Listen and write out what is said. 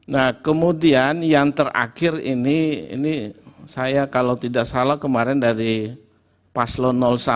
nah kemudian yang terakhir ini ini saya kalau tidak salah kemarin dari paslon satu